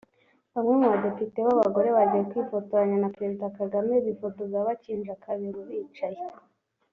Bamwe mu badepite b’abagore bagiye kwifotoranya na Perezida Kagame bifotoza bakinje akabero (bicaye)